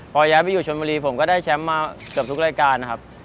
พอย้ายไปอยู่ชนบุรีผมก็ได้แชมป์มาเกือบทุกรายการนะครับ